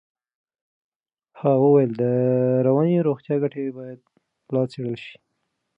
ها وویل د رواني روغتیا ګټې باید لا څېړل شي.